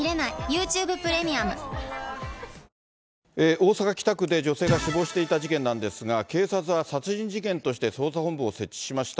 大阪・北区で女性が死亡していた事件なんですが、警察は殺人事件として捜査本部を設置しました。